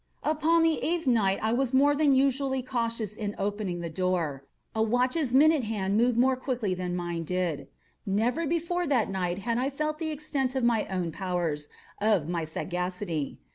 Upon the eighth night I was more than usually cautious in opening the door. A watch's minute hand moves more quickly than did mine. Never before that night had I felt the extent of my own powers—of my sagacity.